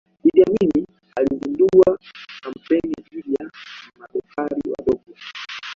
Idi Amin alizindua kampeni dhidi ya mabepari wadogo